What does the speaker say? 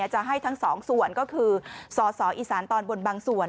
จะให้ทั้งสองส่วนก็คือสอสออีสานตอนบนบางส่วน